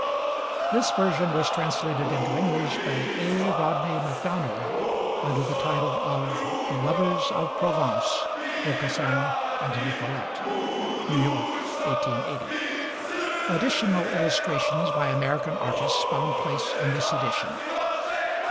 This version was translated into English by A. Rodney Macdonough under the title of 'The Lovers of Provence: Aucassin and Nicolette' (New York, 1880). Additional illustrations by American artists found place in this edition.